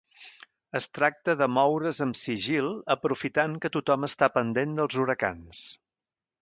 Es tracta de moure's amb sigil aprofitant que tothom està pendent dels huracans.